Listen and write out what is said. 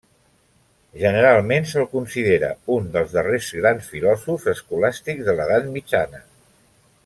Generalment se'l considera un dels darrers grans filòsofs escolàstics de l'Edat Mitjana.